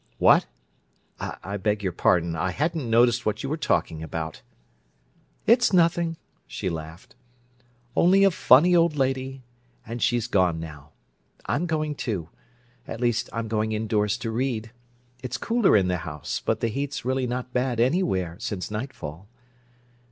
"What? I beg your pardon. I hadn't noticed what you were talking about." "It's nothing," she laughed. "Only a funny old lady—and she's gone now. I'm going, too—at least, I'm going indoors to read. It's cooler in the house, but the heat's really not bad anywhere, since nightfall.